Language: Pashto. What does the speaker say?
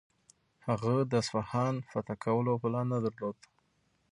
هغه د اصفهان فتح کولو پلان نه درلود.